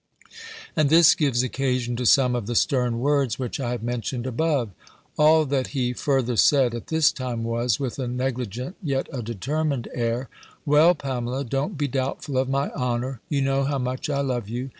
And this gives occasion to some of the stern words which I have mentioned above. All that he further said at this time was, with a negligent, yet a determined air "Well, Pamela, don't be doubtful of my honour. You know how much I love you.